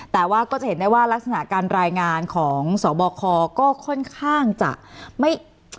แต่ว่าก็จะเห็นได้ว่ารักษณะการรายงานของสบคก็ค่อนข้างจะไม่